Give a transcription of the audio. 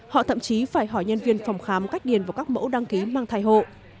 họ thậm chí phải hỏi nhân viên phòng khám cách điền vào các mẫu đăng ký mang thai hộ